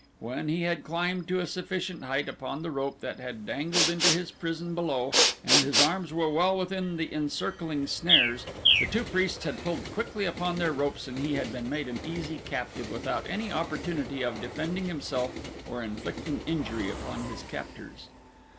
When he had climbed to a sufficient height upon the rope that had dangled into his prison below and his arms were well within the encircling snares the two priests had pulled quickly upon their ropes and he had been made an easy captive without any opportunity of defending himself or inflicting injury upon his captors.